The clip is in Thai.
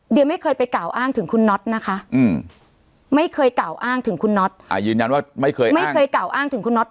เดี๋ยวไม่เคยไปกล่าวอ้างถึงคุณน็อตนะคะไม่เคยกล่าวอ้างถึงคุณน็อตยืนยันว่าไม่เคยไม่เคยกล่าวอ้างถึงคุณน็อต